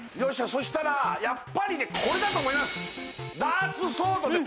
そうしたらやっぱりねこれだと思います